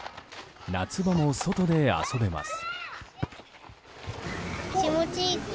夏場も外で遊べます。